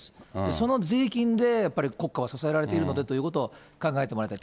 その税金でやっぱり国家は支えられているのでということを考えてもらいたい。